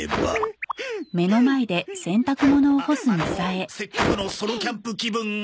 ああのせっかくのソロキャンプ気分が。